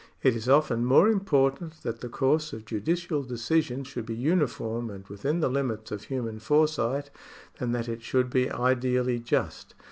It is often more important that the course of judicial decision should be uniform and within the limits of human foresight, than that it should be ideally just.